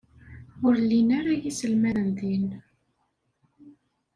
Ur llin ara yiselmaden din.